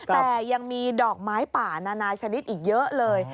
แต่ยังมีดอกไม้ป่านานาชนิดอีกเยอะเลย